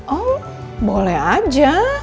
oh boleh aja